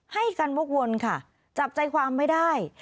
ให้กันวกวนค่ะจับใจความไม่ได้